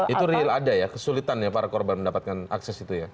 itu real ada ya kesulitan ya para korban mendapatkan akses itu ya